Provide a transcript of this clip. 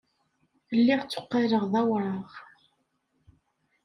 Lliɣ tteqqaleɣ d awraɣ.